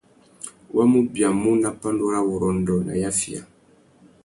Wa mù biamú nà pandúrâwurrôndô nà yafiya.